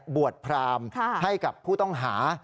บวชพรามให้กับผู้ต้องหา